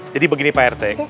jadi begini pak rt